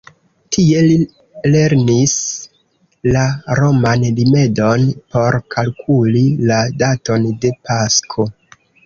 Tie li lernis la roman rimedon por kalkuli la daton de Pasko.